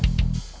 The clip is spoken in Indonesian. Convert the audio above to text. terima kasih bang